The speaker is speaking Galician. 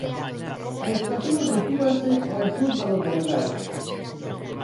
A estación sitúase ao sur da localidade.